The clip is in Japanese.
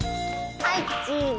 はいチーズ。